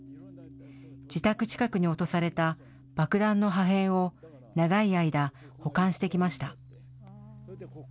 自宅近くに落とされた爆弾の破片を長い間、保管してきました。